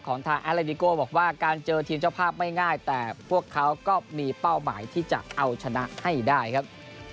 ทางแอเลดิโก้บอกว่าการเจอทีมเจ้าภาพไม่ง่ายแต่พวกเขาก็มีเป้าหมายที่จะเอาชนะให้ได้ครับ